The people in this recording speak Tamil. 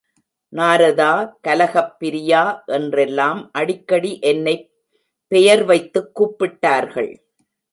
நாரதா, கலகப் பிரியா என்றெல்லாம் அடிக்கடி என்னைப் பெயர் வைத்துக் கூப்பிட்டார்கள்.